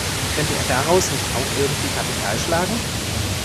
Könnte er daraus nicht auch irgendwie Kapital schlagen?